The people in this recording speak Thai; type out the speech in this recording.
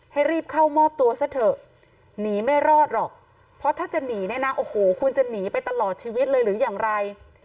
ให้รีบเข้ามอบตัวซะเถอะหนีไม่รอดหรอกเพราะถ้าจะหนีเนี่ยนะโอ้โหคุณจะหนีไปตลอดชีวิตเลยหรืออย่างไร